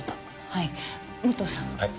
はい。